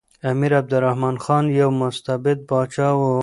امیر عبدالرحمن خان یو مستبد پاچا و.